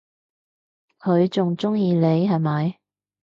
佢仲鍾意你係咪？